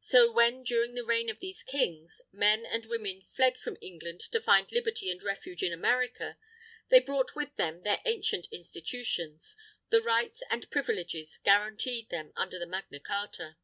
So, when during the reign of these Kings, men and women fled from England to find Liberty and refuge in America, they brought with them their ancient institutions, the rights and privileges guaranteed them under the Magna Carta.